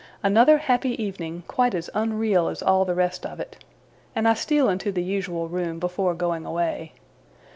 Another happy evening, quite as unreal as all the rest of it, and I steal into the usual room before going away.